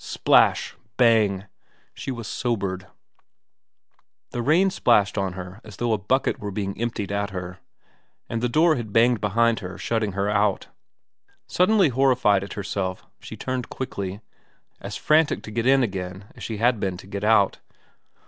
Splash bang she was sobered. The rain splashed on her as though a bucket were being emptied at her, and the door had banged behind her shutting her out. Suddenly horrified at herself she turned quickly, as frantic to get in again as she had been to get out.